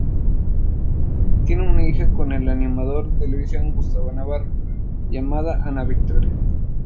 Tiene una hija con el animador de televisión Gustavo Navarro, llamada Ana Victoria.